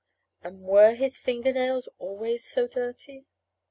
And were his finger nails always so dirty?